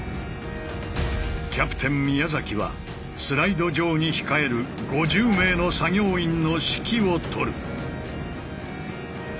キャプテン宮はスライド上に控える５０名の作業員の指揮を執る。